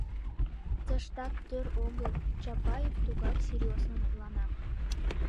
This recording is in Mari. — Ттыштат тӧр огыл, — Чапаев тугак серьёзно мутлана.